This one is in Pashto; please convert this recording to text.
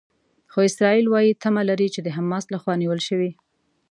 خو اسرائیل وايي تمه لري چې د حماس لخوا نیول شوي.